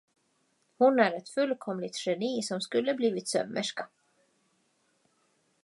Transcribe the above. Hon är ett fullkomligt geni som skulle blivit sömmerska.